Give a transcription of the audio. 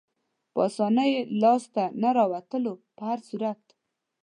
په اسانۍ یې لاسته نه ورتلو، په هر صورت.